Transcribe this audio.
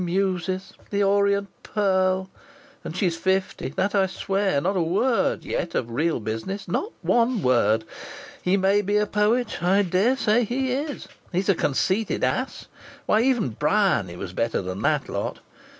'Muses'! 'The Orient Pearl.' And she's fifty that I swear! Not a word yet of real business not one word! He may be a poet. I daresay he is. He's a conceited ass. Why, even Bryany was better than that lot.